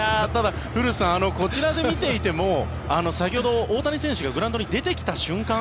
こちらで見ていても先ほど、大谷選手がグラウンドに出てきた瞬間